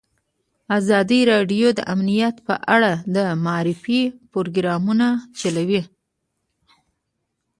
ازادي راډیو د امنیت په اړه د معارفې پروګرامونه چلولي.